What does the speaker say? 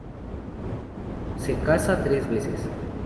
Se casa tres veces.